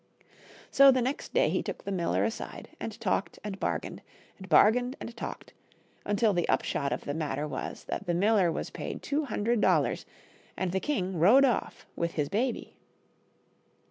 So the next day he took the miller aside and talked and bargained, and bargained and talked, until the upshot of the matter was that the miller was paid two hundred dollars, and the king rode off with the baby.